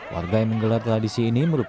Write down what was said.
warga yang menggelar tradisi ini merupakan